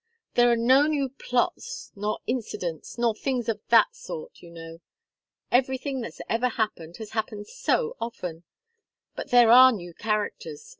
There are no new plots, nor incidents, nor things of that sort, you know. Everything that's ever happened has happened so often. But there are new characters.